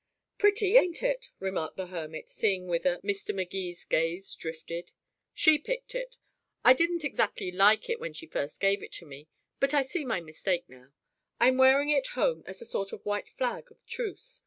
"Pretty, ain't it?" remarked the hermit, seeing whither Mr. Magee's gaze drifted. "She picked it. I didn't exactly like it when she first gave it to me, but I see my mistake now. I'm wearing it home as a sort of a white flag of truce.